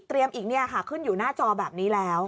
อีกเนี่ยค่ะขึ้นอยู่หน้าจอแบบนี้แล้ว